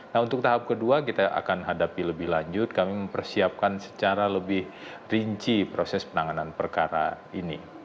nah untuk tahap kedua kita akan hadapi lebih lanjut kami mempersiapkan secara lebih rinci proses penanganan perkara ini